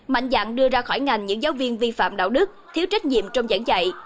mạnh dạng đưa ra khỏi ngành những giáo viên vi phạm đạo đức thiếu trách nhiệm trong giảng dạy